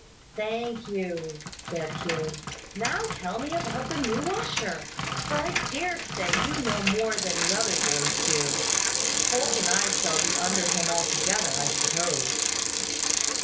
"Thank you," said Hugh. "Now tell me about the new usher; for I dare say you know more than the other boys do. Holt and I shall be under him altogether, I suppose."